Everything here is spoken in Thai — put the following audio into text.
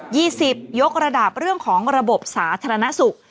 ี่สิบยกระดับเรื่องของระบบสาธารณสุข